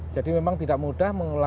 jadi memang tidak mudah mengelola